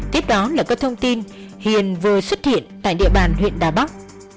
tiếp đó là các thông tin hiền vừa xuất hiện tại địa bàn huyện đà bắc